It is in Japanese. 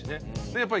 やっぱり。